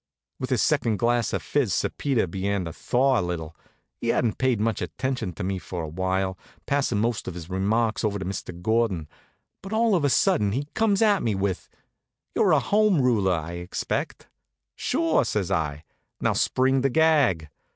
With his second glass of fizz Sir Peter began to thaw a little. He hadn't paid much attention to me for a while, passin' most of his remarks over to Mr. Gordon; but all of a sudden he comes at me with: "You're a Home Ruler, I expect?" "Sure," says I. "Now, spring the gag."